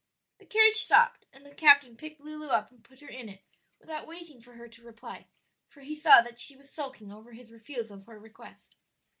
The carriage stopped, and the captain picked Lulu up and put her in it without waiting for her to reply, for he saw that she was sulking over his refusal of her request.